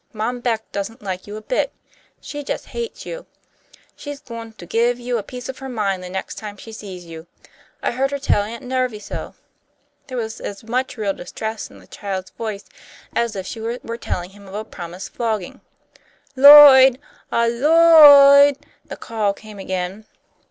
"Mom Beck doesn't like you a bit. She just hates you! She's goin' to give you a piece of her mind the next time she sees you. I heard her tell Aunt Nervy so." There was as much real distress in the child's voice as if she were telling him of a promised flogging. "Lloyd! Aw, Lloy eed!" the call came again.